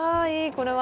これは。